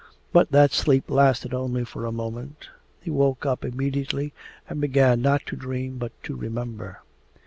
But that sleep lasted only for a moment. He woke up immediately and began not to dream but to remember.